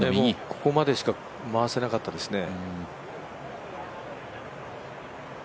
ここまでしか回せなかったですね。